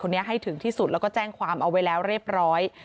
ให้ถึงที่สุดแล้วก็แจ้งความเอาไว้แล้วเรียบร้อย